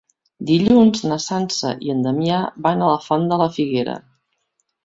Dilluns na Sança i en Damià van a la Font de la Figuera.